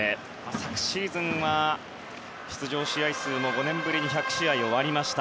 昨シーズンは出場試合数も５年ぶりに１００試合を割りました。